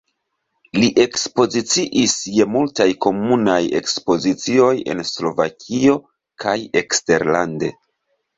Li ekspoziciis je multaj komunaj ekspozicioj en Slovakio kaj eksterlande.